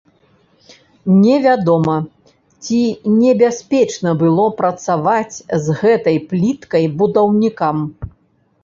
Невядома, ці небяспечна было працаваць з гэтай пліткай будаўнікам.